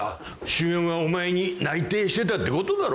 主演はお前に内定してたってことだろ。